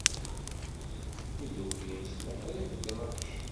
Mi d-tukint, tella qrib d ttnac.